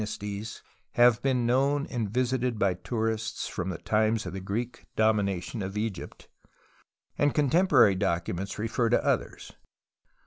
THE VALLEY OF THE TOMBS To asties have been known and v isited by tourists from the times of the Greek domination of Egypt, and contemporary documents refer to others.